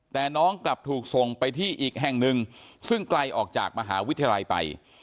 แต่น้องกลับถูกส่งไปที่อีกแห่งหนึ่งซึ่งไกลออกจากมหาวิทยาลัยไป